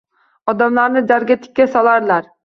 Odamlarni jarga tikka solarlar.